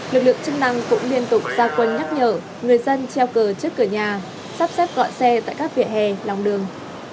lực lượng chức năng cũng liên tục ra quân nhắc nhở người dân treo cờ trước cửa nhà sắp xếp gọi xe tại các vỉa hè lòng đường